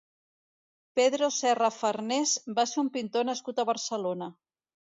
Pedro Serra Farnés va ser un pintor nascut a Barcelona.